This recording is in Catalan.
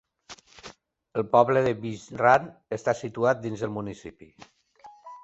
El poble de Birch Run està situat dins del municipi.